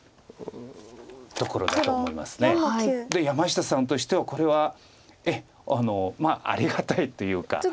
山下さんとしてはこれはありがたいというか。